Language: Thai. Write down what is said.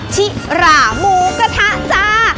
ชิราหมูกระทะจ้า